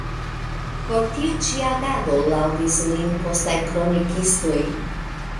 Por tiu ĉi agado laŭdis lin postaj kronikistoj.